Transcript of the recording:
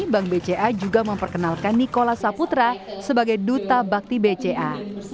bank bca juga memperkenalkan nikola saputra sebagai duta bakti bca